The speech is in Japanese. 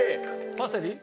パセリ？